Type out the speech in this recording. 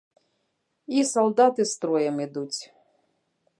І салдаты строем ідуць.